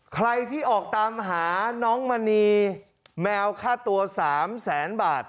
ใครที่ออกตามหาน้องมณีแมวค่าตัว๓แสนบาท